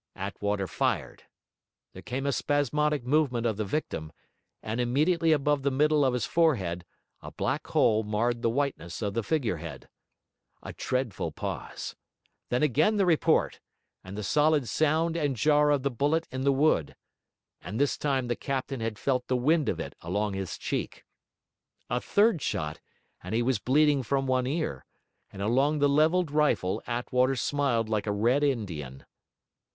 Attwater fired; there came a spasmodic movement of the victim, and immediately above the middle of his forehead, a black hole marred the whiteness of the figure head. A dreadful pause; then again the report, and the solid sound and jar of the bullet in the wood; and this time the captain had felt the wind of it along his cheek. A third shot, and he was bleeding from one ear; and along the levelled rifle Attwater smiled like a Red Indian.